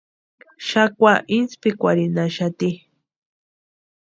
Xakwa inspikwarinnhaxati.